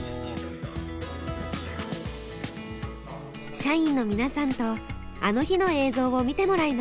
社員の皆さんと「あの日」の映像を見てもらいます。